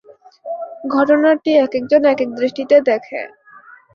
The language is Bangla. ঘটনাটি একেক জন একেক দৃষ্টিতে দেখে।